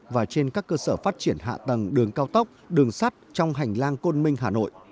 và trên các cơ sở phát triển hạ tầng đường cao tốc đường sắt trong hành lang côn minh hà nội